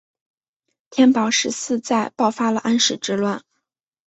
天宝十四载爆发了安史之乱。